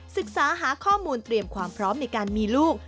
ศึกษาหาข้อมูลเตรียมความพร้อมในการมีลูก